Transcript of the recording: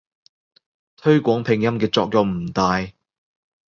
推廣拼音嘅作用唔大